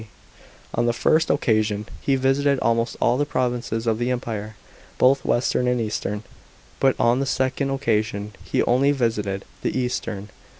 D. On the first occasion he visited almost all the provinces of the Empire, both western and eastern. But on the second occasion he only visited the eastern.